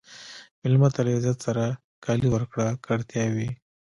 مېلمه ته له عزت سره کالي ورکړه که اړتیا وي.